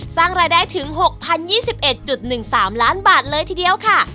สร้างรายได้ถึง๖๐๒๑๑๓ล้านบาทเลยทีเดียวค่ะ